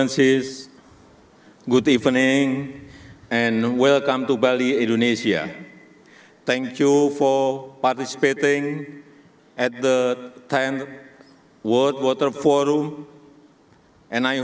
semangat bersama dalam memperbaiki lingkungan